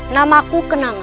nama aku kenanga